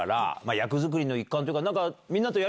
役作りの一環っていうか。